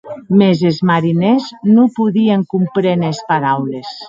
Mès es marinèrs non podien compréner es paraules.